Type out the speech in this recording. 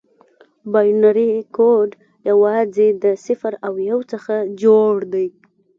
بایونري کوډ یوازې د صفر او یو څخه جوړ دی.